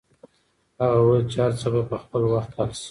هغه وویل چې هر څه به په خپل وخت حل شي.